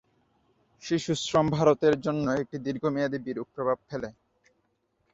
শিশুশ্রম ভারতের জন্য একটি দীর্ঘমেয়াদী বিরূপ প্রভাব ফেলে।